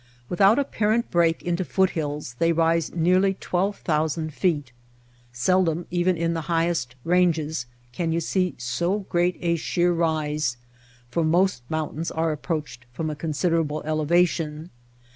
Without apparent break into foothills they rise nearly 12,000 feet. Seldom, even in the highest ranges, can you see so great a sheer rise, for most mountains are Entering Death Valley approached from a considerable elevation.